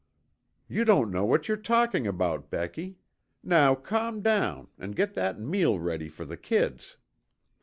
"You don't know what you're talking about, Becky. Now calm down and get that meal ready for the kids."